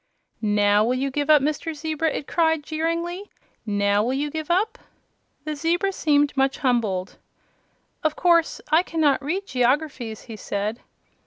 "NOW will you give up, Mr. Zebra?" it cried, jeeringly; "now will you give up?" The zebra seemed much humbled. "Of course I cannot read geographys," he said.